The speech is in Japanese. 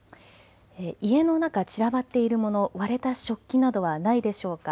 家の中、散らばっているもの割れた食器などはないでしょうか。